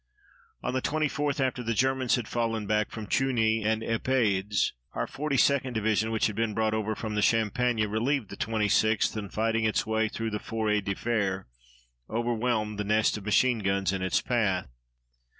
On the 24th, after the Germans had fallen back from Trugny and Epieds, our 42d Division, which had been brought over from the Champagne, relieved the 26th, and, fighting its way through the Forêt de Fère, overwhelmed the nest of machine guns in its path.